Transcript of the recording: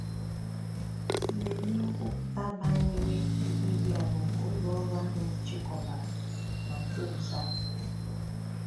Mmemme nkwupụta banyere mkpebi a bụ nke ụlọọrụ ahụ chịkọbara na nsonso a